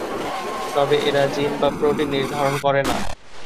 তবে এরা জিন বা প্রোটিন নির্ধারণ করেনা।